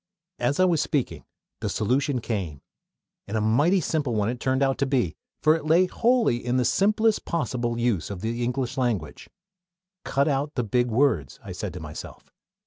As I was speaking the solution came and a mighty simple one it turned out to be; for it lay wholly in the simplest possible use of the English language. "Cut out the big words," I said to myself.